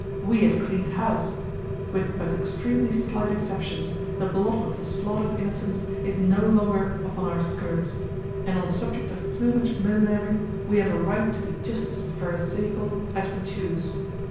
We have cleaned house. With but extremely slight exceptions, the blood of the slaughtered innocents is no longer upon our skirts, and on the subject of plumage millinery we have a right to be just as Pharisaical as we choose.